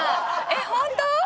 えっ本当？